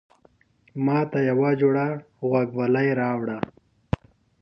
ماته يوه جوړه غوږوالۍ راوړه